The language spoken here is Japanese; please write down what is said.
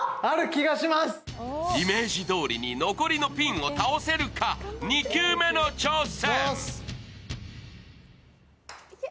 イメージ通りに残りのピンを倒せるか、２球目の挑戦。